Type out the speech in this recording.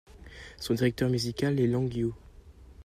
Son directeur musical est Long Yu.